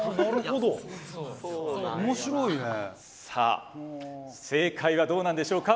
さあ正解はどうなんでしょうか。